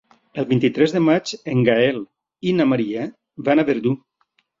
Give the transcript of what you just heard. El vint-i-tres de maig en Gaël i na Maria van a Verdú.